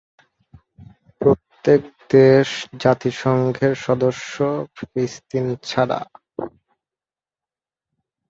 প্রত্যেক দেশ জাতিসংঘের সদস্য, ফিলিস্তিন ছাড়া।